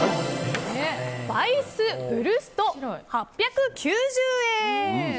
ヴァイスヴルスト、８９０円。